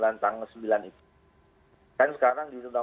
nah kalau kita ingin menghindari kerumunan lah pada saat orang datang ke tps